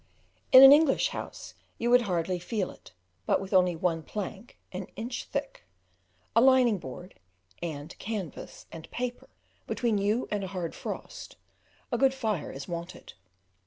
In an English house you would hardly feel it, but with only one plank an inch thick, a lining board and canvas and paper, between you and a hard frost, a good fire is wanted.